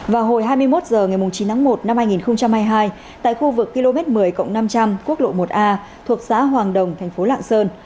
vào hồi hai mươi một h ngày chín tháng một năm hai nghìn hai mươi hai tại khu vực km một mươi năm trăm linh quốc lộ một a thuộc xã hoàng đồng thành phố lạng sơn